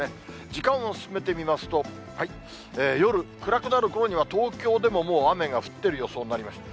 時間を進めてみますと、夜、暗くなるころには東京でももう雨が降ってる予想になりました。